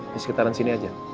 di sekitaran sini aja